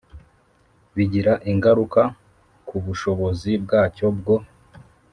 Bigira ingaruka ku bushobozi bwacyo bwo